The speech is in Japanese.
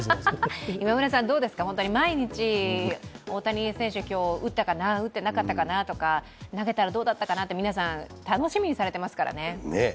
今村さん、どうですか、毎日大谷選手、打ったかな、打ってなかったかなとか、投げたらどうだったかなと、皆さん楽しみにされていますからね。